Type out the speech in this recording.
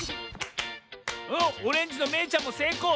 おっオレンジのめいちゃんもせいこう！